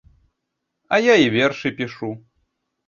А я і вершы пішу.